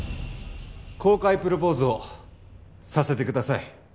公開プロポーズをさせてください。